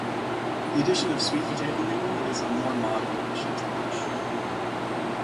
The addition of sweet potato noodle is a more modern addition to the dish.